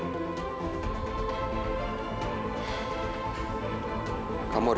sama sama dengan pak ferry